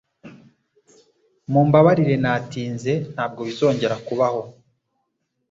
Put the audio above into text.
Mumbabarire natinze. Ntabwo bizongera kubaho.